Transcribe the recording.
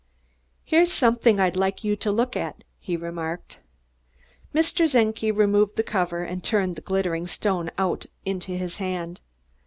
"Here's something I'd like you to look at," he remarked. Mr. Czenki removed the cover and turned the glittering stone out into his hand.